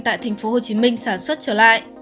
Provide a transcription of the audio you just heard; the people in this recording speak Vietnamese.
tại tp hcm sản xuất trở lại